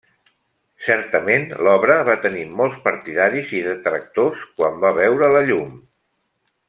Certament l'obra va tenir molts partidaris i detractors quan va veure la llum.